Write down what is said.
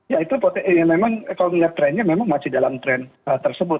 ya itu kalau lihat trendnya memang masih dalam trend tersebut